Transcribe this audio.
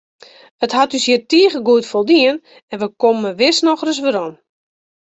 It hat ús hjir tige goed foldien en wy komme wis noch ris werom.